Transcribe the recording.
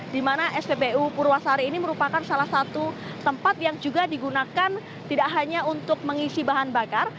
di mana spbu purwasari ini merupakan salah satu tempat yang juga digunakan tidak hanya untuk mengisi bahan bakar